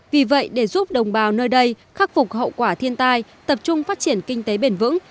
vì vậy để giúp đồng bào nơi đây khắc phục hậu quả thiên tai tập trung phát triển kinh tế bền vững